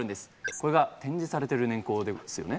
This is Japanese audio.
これが展示されてる年縞ですよね。